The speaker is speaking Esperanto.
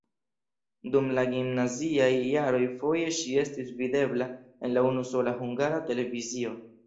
Dum la gimnaziaj jaroj foje ŝi estis videbla en la unusola Hungara Televizio.